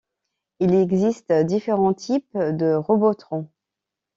Il existe différents types de Robotrons.